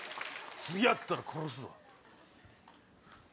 次会ったら殺すぞ。